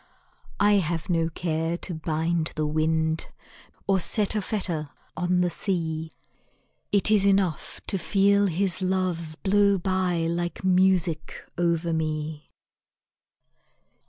I have no care to bind the wind Or set a fetter on the sea It is enough to feel his love Blow by like music over me.